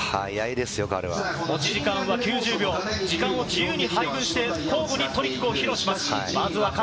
持ち時間が９０秒、時間を自由に使う、交互にトリックを披露します。